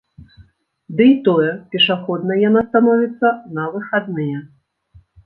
Дый тое, пешаходнай яна становіцца на выхадныя.